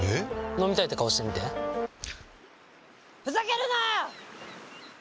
飲みたいって顔してみてふざけるなー！